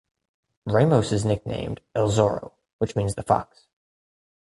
Ramos is nicknamed "El Zorro" which means The Fox.